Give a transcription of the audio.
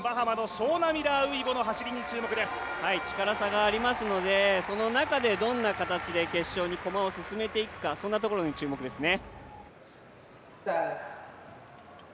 力差がありますのでその中で、どんな形で決勝に駒を進めていくかそんなところに注目ですね。